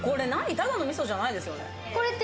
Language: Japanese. ただの味噌じゃないですよね？